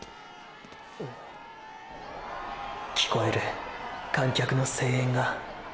聞こえる観客の声援が――。